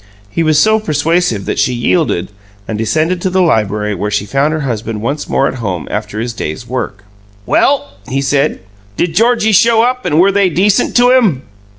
He was so persuasive that she yielded, and descended to the library, where she found her husband once more at home after his day's work. "Well?" he said. "Did Georgie show up, and were they decent to him?"